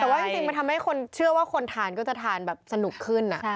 แต่ว่าจริงมันทำให้คนเชื่อว่าคนทานก็จะทานแบบสนุกขึ้น